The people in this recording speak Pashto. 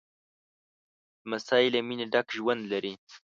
لمسی له مینې ډک ژوند لري.